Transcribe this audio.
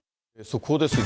速報です。